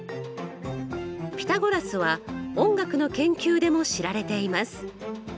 ピタゴラスは音楽の研究でも知られています。